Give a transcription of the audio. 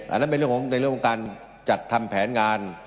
อันนั้นเป็นเรื่องของการจัดทำแผนงาน